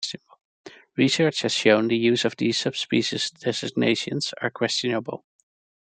Research has shown the use of these subspecies designations are questionable.